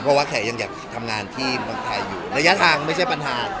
เพราะว่าแขกยังอยากทำงานที่เมืองไทยอยู่ระยะทางไม่ใช่ปัญหา